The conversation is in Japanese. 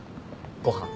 ご飯。